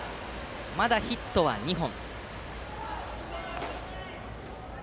まだヒットは２本。